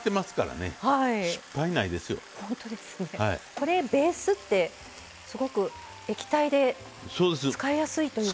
これベースってすごく液体で使いやすいという。